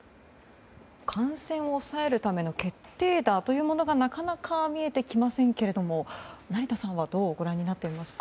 感染を抑えるための決定打というものがなかなか見えてきませんが成田さんはどうご覧になっていますか？